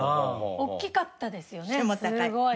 大きかったですよねすごい。